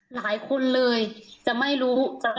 หลายคนเลยจะไม่รู้